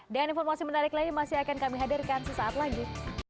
dan informasi menarik lagi masih akan kami hadirkan sesaat lagi